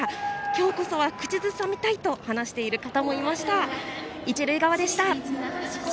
今日こそは口ずさみたいと話している人もいました。